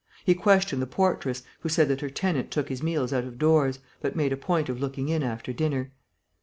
He questioned the portress, who said that her tenant took his meals out of doors, but made a point of looking in after dinner.